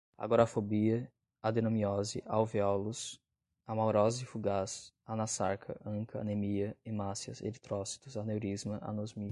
agorafobia, adenomiose, alvéolos, amaurose fugaz, anasarca, anca, anemia, hemácias, eritrócitos, aneurisma, anosmia